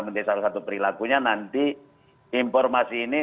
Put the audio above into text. menjadi salah satu perilakunya nanti informasi ini